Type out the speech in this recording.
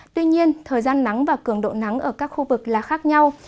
tuy nhiên thời gian nắng và cường độ nắng ở các khu vực là khác nhau